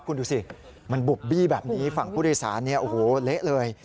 คุณดูสิมันบุบบี้แบบนี้ฝั่งผู้โดยสารเนี่ยโอ้โหเละเลย